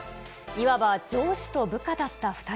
いわば上司と部下だった２人。